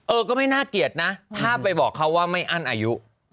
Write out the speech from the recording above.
เออก็ไม่น่าเกลียดนะถ้าไปบอกเขาว่าไม่อั้นอายุ